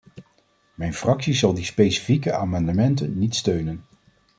Mijn fractie zal die specifieke amendementen niet steunen.